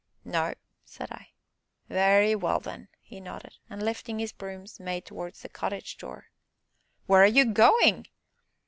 "No," said I. "Very well then!" he nodded, and, lifting his brooms, made towards the cottage door! "Where are you going?"